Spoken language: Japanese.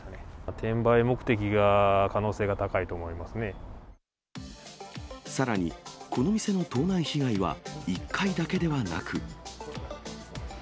転売目的が、可能性が高いと思いさらに、この店の盗難被害は１回だけではなく。